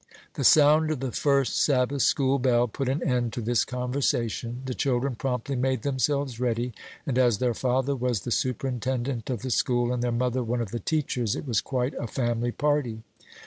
The sound of the first Sabbath school bell put an end to this conversation. The children promptly made themselves ready, and as their father was the superintendent of the school, and their mother one of the teachers, it was quite a family party.